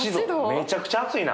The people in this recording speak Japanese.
めちゃくちゃ暑いな。